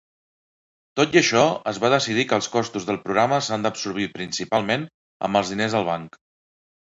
Tot i això, es va decidir que els costos del programa s'han d'absorbir principalment amb els diners al banc.